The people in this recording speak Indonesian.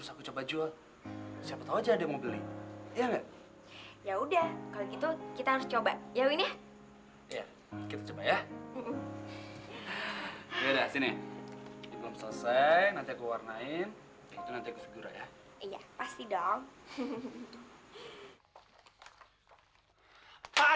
sampai jumpa di video selanjutnya